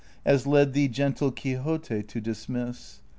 As led thee gentle Quixote to dismiss